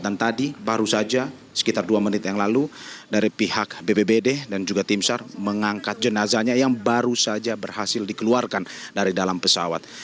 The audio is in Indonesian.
dan tadi baru saja sekitar dua menit yang lalu dari pihak bbbd dan juga timsar mengangkat jenazahnya yang baru saja berhasil dikeluarkan dari dalam pesawat